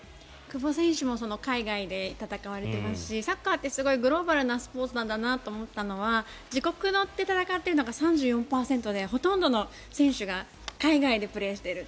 久保選手も海外で戦われていますしサッカーってグローバルなスポーツだなと思ったのが自国で戦っているのが３４％でほとんどの選手が海外でプレーしている。